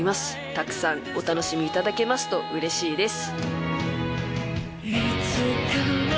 たくさんお楽しみいただけますとうれしいです。